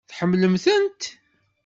Tḥemmlemt-tent?